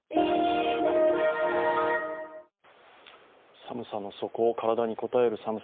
寒さの底、体にこたえる寒さ